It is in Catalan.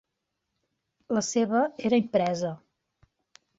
La seva era impresa.